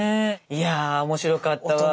いや面白かったわ。